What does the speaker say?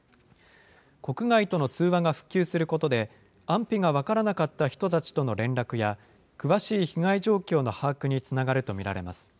国外との通話が復旧することで、安否が分からなかった人たちとの連絡や、詳しい被害状況の把握につながると見られます。